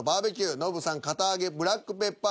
ノブさん「堅あげブラックペッパー」。